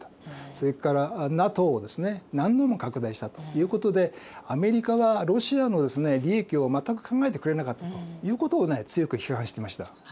それからＮＡＴＯを何度も拡大したということでアメリカはロシアの利益を全く考えてくれなかったということを強く批判してました。